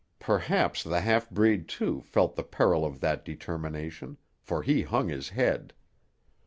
Perhaps the half breed, too, felt the peril of that determination; for he hung his head.